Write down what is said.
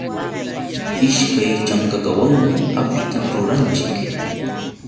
Ishkay chankakawanmi apita ruranchik.